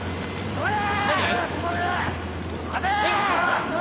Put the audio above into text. ・「止まれ！」